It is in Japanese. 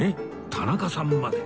田中さんまで